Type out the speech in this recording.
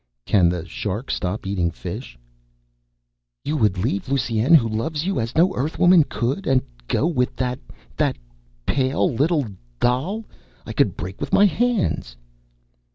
"Can the shark stop eating fish?" "You would leave Lusine, who loves you as no Earthwoman could, and go with that that pale little doll I could break with my hands?"